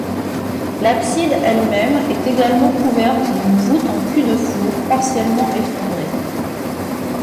L'abside elle-même est également couverte d'une voûte en cul-de-four, partiellement effondrée.